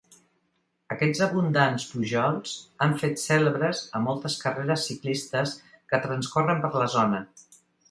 Aquests abundants pujols han fet cèlebres a moltes carreres ciclistes que transcorren per la zona.